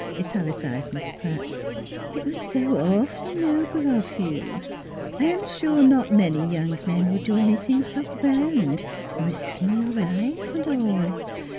italicized Miss Pratt. " It was so awfully noble of you ! I'm sure not many young men would do anything so gr rand, risking your life and all.